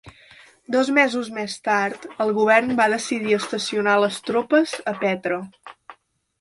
Dos mesos més tard, el govern va decidir estacionar les tropes a Petre.